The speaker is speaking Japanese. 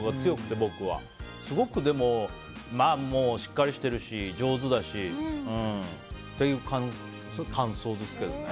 でも、すごくしっかりしてるし上手だしという感想ですけどね。